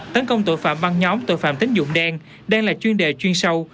tấn công tội phạm ban nhóm tội phạm tín dụng đen đang là chuyên đề chuyên sâu